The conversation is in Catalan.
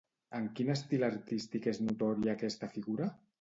En quin estil artístic és notòria aquesta figura?